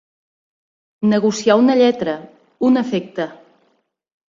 Negociar una lletra, un efecte.